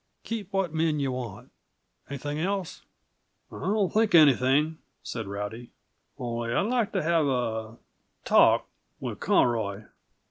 "Keep what men yuh want. Anything else?" "I don't think of anything," said Rowdy. "Only I'd like to have a talk with Conroy."